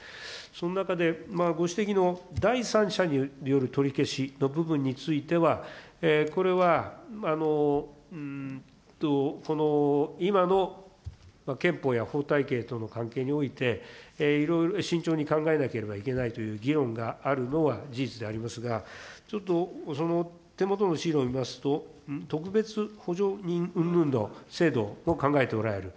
その中でご指摘の第三者による取り消しの部分については、これは今の憲法や法体系との関係において、いろいろ慎重に考えなければいけないという議論があるのは事実でありますが、ちょっと手元の資料を見ますと、特別補助人うんぬんの制度も考えておられる。